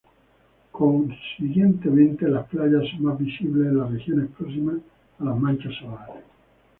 Consiguientemente, las playas son más visibles en las regiones próximas a las manchas solares.